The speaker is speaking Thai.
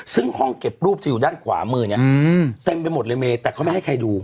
ซึ่งห้องเก็บรูปจะอยู่ด้านขวามือเนี่ยเต็มไปหมดเลยเมย์แต่เขาไม่ให้ใครดู